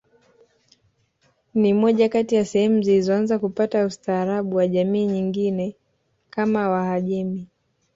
Ni moja kati ya sehemu zilizoanza kupata ustaarabu wa jamii nyingine kama wahajemi